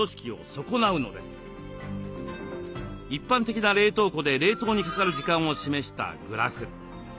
一般的な冷凍庫で冷凍にかかる時間を示したグラフ。